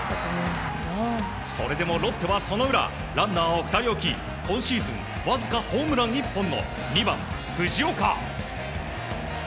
それでもロッテは、その裏ランナーを２人置き今シーズンわずかホームラン１本の２番、藤岡。